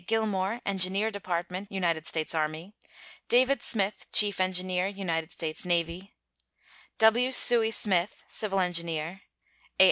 Gillmore, Engineer Department, United States Army; David Smith, Chief Engineer, United States Navy; W. Sooy Smith, civil engineer; A.